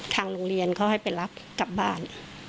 ทางโรงเรียนเขาให้ไปรับกลับบ้าน